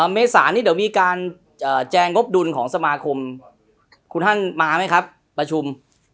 เมษานี่เดี๋ยวมีการแจงงบดุลของสมาคมคุณท่านมาไหมครับประชุม